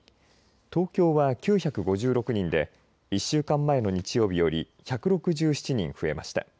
東京は９５６人で１週間前の日曜日より１６７人増えました。